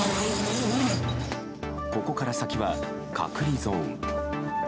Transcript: ここから先は隔離ゾーン。